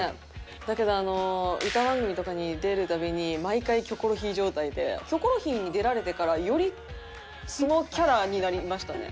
だけど歌番組とかに出る度に毎回『キョコロヒー』状態で『キョコロヒー』に出られてからより素のキャラになりましたね。